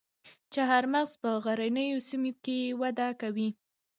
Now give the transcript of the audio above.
چهارمغز په غرنیو سیمو کې وده کوي